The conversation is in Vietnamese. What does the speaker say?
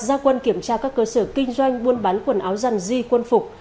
gia quân kiểm tra các cơ sở kinh doanh buôn bán quần áo dằn di quân phục